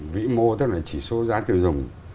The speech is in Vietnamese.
vĩ mô tức là chỉ số giá tiêu dùng